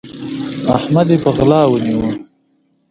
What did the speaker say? احمد چې يې پر غلا ونيو؛ خړې خړې يې اړولې.